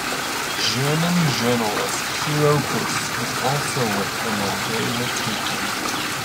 German journalist Hero Buss was also with them when they were taken.